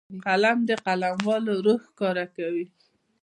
قلم د قلموالو روح ښکاره کوي